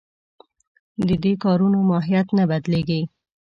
د دې کارونو ماهیت نه بدلېږي.